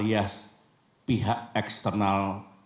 descobrir yang telah menari